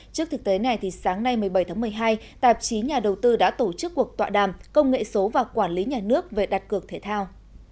trước thực tế này sáng nay một mươi bảy tháng một mươi hai tạp chí nhà đầu tư đã tổ chức cuộc tọa đàm công nghệ số và quản lý nhà nước về đặt cược thể thao